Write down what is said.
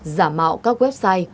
giả mạo các website